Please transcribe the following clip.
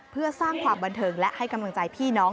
เพื่อสร้างความบันเทิงและให้กำลังใจพี่น้อง